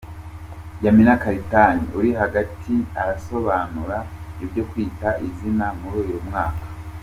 Yamina Karitanyi uri hagati arasobanura ibyo Kwita Izina muri uyu mwaka.